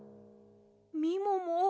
みもも